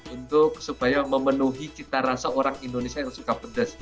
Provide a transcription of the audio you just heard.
untuk supaya memenuhi cita rasa orang indonesia yang suka pedas